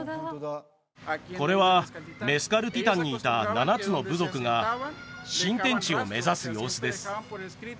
これはメスカルティタンにいた７つの部族が新天地を目指す様子です